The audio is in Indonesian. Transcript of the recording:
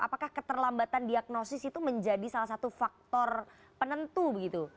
apakah keterlambatan diagnosis itu menjadi salah satu faktor penentu begitu